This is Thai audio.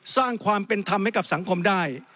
สร้างความเป็นธรรมให้กับสังคมได้